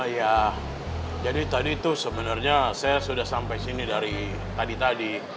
ya jadi tadi itu sebenarnya saya sudah sampai sini dari tadi tadi